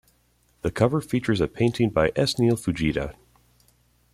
The cover features a painting by S. Neil Fujita.